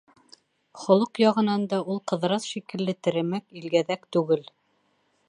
Холоҡ яғынан да ул Ҡыҙырас шикелле теремек, илгәҙәк түгел.